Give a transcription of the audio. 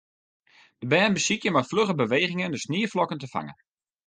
De bern besykje mei flugge bewegingen de snieflokken te fangen.